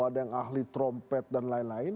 ada yang ahli trompet dan lain lain